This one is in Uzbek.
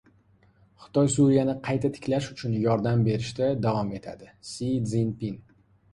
“Xitoy Suriyani qayta tiklash uchun yordam berishda davom etadi” — Si Szinpin